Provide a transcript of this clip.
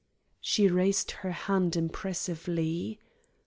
She raised her hand impressively.